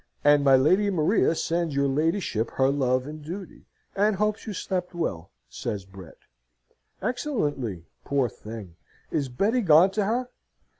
"And my Lady Maria sends your ladyship her love and duty, and hopes you slept well," says Brett. "Excellently, poor thing! Is Betty gone to her?"